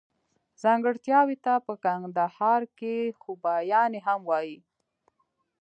ځانګړتياوو ته په کندهار کښي خوباياني هم وايي.